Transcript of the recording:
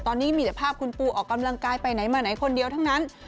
ตอนนี้มีแต่ภาพคุณปูออกกำลังกายไปไหนมาไหนคนเดียวทั้งนั้น